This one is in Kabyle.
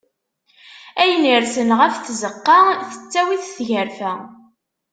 Ayen irsen ɣef tzeqqa, tettawi-t tgerfa.